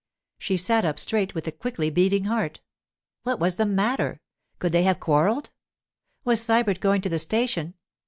She sat up straight with a quickly beating heart. What was the matter? Could they have quarrelled? Was Sybert going to the station?